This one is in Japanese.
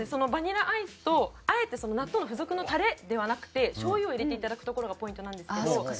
バニラアイスとあえてその納豆の付属のタレではなくて醤油を入れて頂くところがポイントなんですけど。